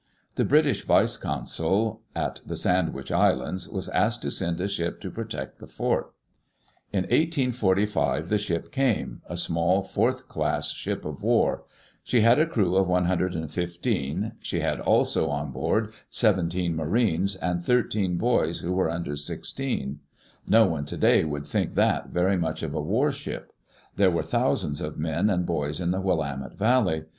The British vice consul at the Sandwich Islands was asked to send a ship to protect the fort. In 1845 ^c sh^P came, a small, fourth class ship of war. Digitized by Google EARLY DAYS IN OLD OREGON She had a crew of one hundred and fifteen; she had also on board seventeen marines and thirteen boys who were under sixteen. No one today would think that very much of a warship. There were thousands of men and boys in the Willamette Valley.